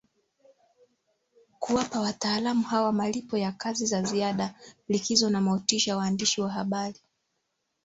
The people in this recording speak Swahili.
kuwapa wataalam hawa malipo ya kazi za ziada likizo na motisha Waandishi wa habari